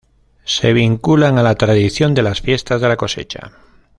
Se vinculan a la tradición de las fiestas de la cosecha.